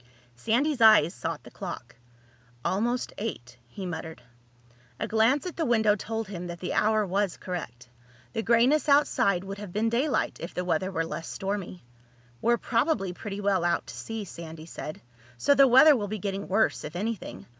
Sandy's eyes sought the clock. "Almost eight," he muttered. A glance at the window told him that the hour was correct. The grayness outside would have been daylight if the weather were less stormy. "We're probably pretty well out to sea," Sandy said. "So the weather will be getting worse, if anything.